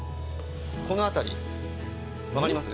この辺り分かります？